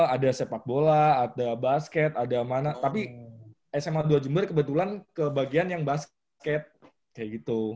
ada sepak bola ada basket ada mana tapi sma dua jember kebetulan kebagian yang basket kayak gitu